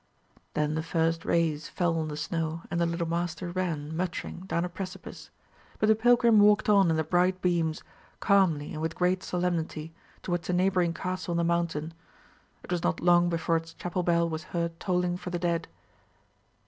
Then the first rays fell on the snow, and the little Master ran, muttering, down a precipice; but the pilgrim walked on in the bright beams, calmly and with great solemnity, towards a neighbouring castle on the mountain. It was not long before its chapel bell was heard tolling for the dead.